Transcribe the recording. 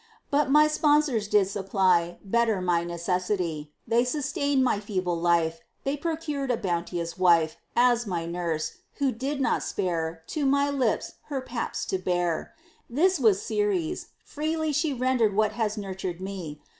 But my sponsors did supply Better my necessity; They sustained my feeble life; They procured a bounteous wife As my nurse, who did not spare To my lips her paps to bear. This was Ceres; freely she Rendered what has nurtured me.